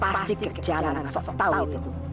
pasti kejalanan sok tau itu